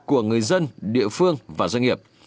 của người dân địa phương và doanh nghiệp